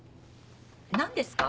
何ですか？